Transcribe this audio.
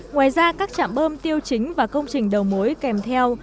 ngoài ra các trạm bơm tiêu chính và công trình đầu mối kèm theo